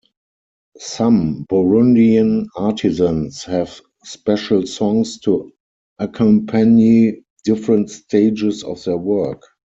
Some Burundian artisans have special songs to accompany different stages of their work.